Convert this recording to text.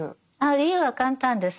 理由は簡単です。